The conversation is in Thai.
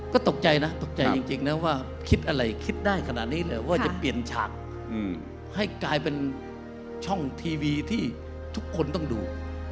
ก็ตกใจนะตกใจจริงนะว่าคิดอะไรคิดได้ขนาดนี้เลยว่าจะเปลี่ยนฉากให้กลายเป็นช่องทีวีที่ทุกคนต้องดู